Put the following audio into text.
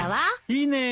いいね。